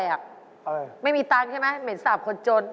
อะไรนะไม่มีเงินใช่ไหมเหมือนสาบคนจน